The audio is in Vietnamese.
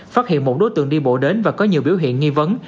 phát hiện một đối tượng đi bộ đến và có nhiều biểu hiện nghi vấn